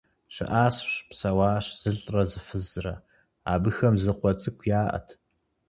ЩыӀащ-псэуащ зылӀрэ зы фызрэ. Абыхэм зы къуэ цӀыкӀу яӀэт.